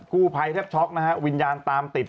กูพายแท็บช็อกวิญญาณตามติด